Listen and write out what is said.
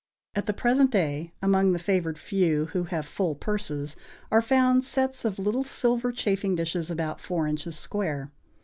At the present day among the favored few, who have full purses, are found sets of little silver chafing dishes about four inches square.